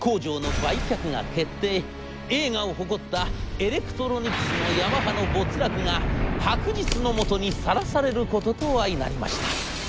栄華を誇ったエレクトロニクスのヤマハの没落が白日のもとにさらされることと相成りました。